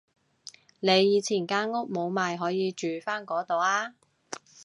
你以前間屋冇賣可以住返嗰度啊